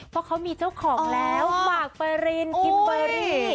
เพราะเขามีเจ้าของแล้วหมากเปอรินคิมเบอรี่